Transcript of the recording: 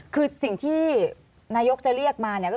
คือสิ่งที่นายกจะเรียกมา